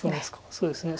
そうですね。